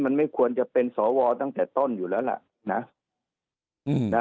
มันไม่ควรจะเป็นสวตั้งแต่ต้นโอกาสออกจากนั้น